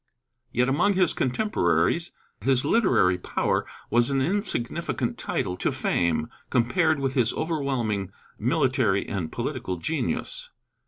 Yet among his contemporaries his literary power was an insignificant title to fame, compared with his overwhelming military and political genius.